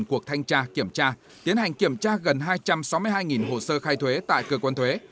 năm mươi bốn cuộc thanh tra kiểm tra tiến hành kiểm tra gần hai trăm sáu mươi hai hồ sơ khai thuế tại cơ quan thuế